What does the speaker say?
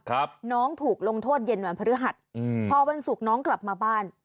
ครับน้องถูกลงโทษเย็นวันพฤหัสอืมพอวันศุกร์น้องกลับมาบ้าน